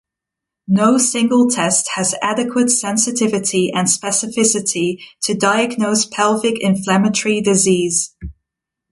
No single test has adequate sensitivity and specificity to diagnose pelvic inflammatory disease.